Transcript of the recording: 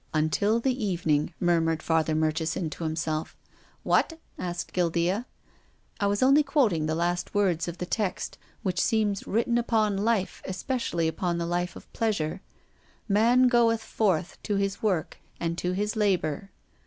" Until the evening," murmured Father Mur chison to himself. "What?" asked Guildea. " I was only quoting the last words of the text, which seems written upon life, especially upon the life of pleasure :' Man goeth forth to his work, and to his labour.'